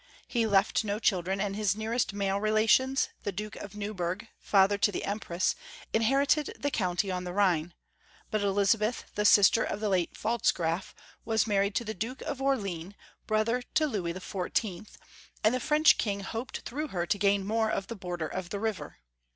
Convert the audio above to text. He left no children, and his nearest male relations, the Duke of Neuburg, father to the Empress, inherited the county on the Rhine, but Elizabeth, the sister of the late Pfalzgraf, was married to the Duke of Or leans, brother to Louis XIV., and the French king hoped through her to gain more of the border of the river.